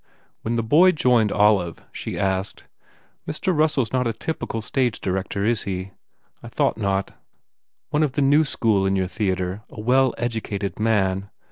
When the boy joined Olive she asked, "Mr. Russell isn t a typical stage director, is he? ... I thought not. One of the new school in your theatre? A well educated man?